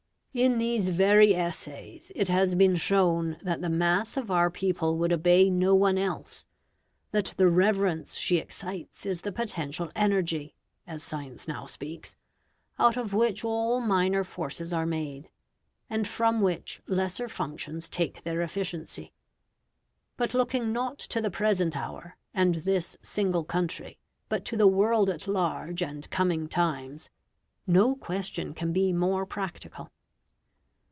In these very essays it has been shown that the mass of our people would obey no one else, that the reverence she excites is the potential energy as science now speaks out of which all minor forces are made, and from which lesser functions take their efficiency. But looking not to the present hour, and this single country, but to the world at large and coming times, no question can be more practical.